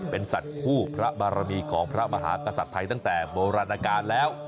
เป็นสัตว์คู่พระบารมีของพระมหากษัตริย์ไทยตั้งแต่โบราณการแล้ว